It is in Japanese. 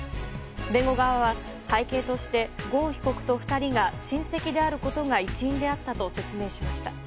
弁護側は背景としてゴーン被告と２人が親戚であることが一因であったと説明しました。